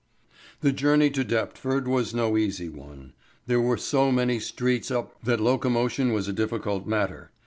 The journey to Deptford was no easy one. There were so many streets up that locomotion was a difficult matter.